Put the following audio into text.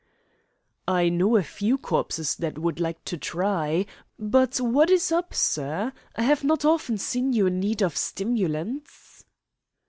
"I know a few corpses that would like to try. But what is up, sir? I have not often seen you in need of stimulants."